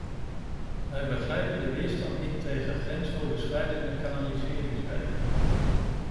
Wij begrijpen de weerstand niet tegen grensoverschrijdende kanaliseringswerken.